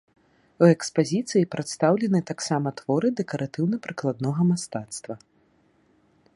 У экспазіцыі прадстаўлены таксама творы дэкаратыўна-прыкладнога мастацтва.